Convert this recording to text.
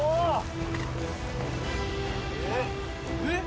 えっ？